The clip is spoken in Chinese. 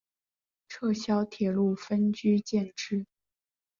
撤销铁路分局建制。